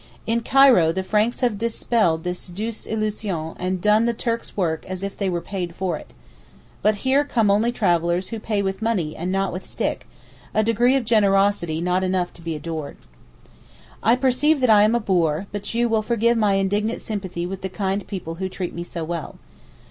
In Cairo the Franks have dispelled this douce illusion and done the Turk's work as if they were paid for it. But here come only travellers who pay with money and not with stick—a degree of generosity not enough to be adored. I perceive that I am a bore—but you will forgive my indignant sympathy with the kind people who treat me so well.